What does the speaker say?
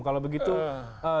kalau begitu jika